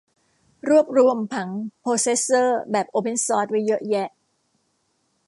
รวบรวมผังโพรเซสเซอร์แบบโอเพนซอร์สไว้เยอะแยะ